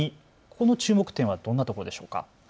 この注目点はどんなところでしょうか。